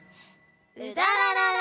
「うだららら」。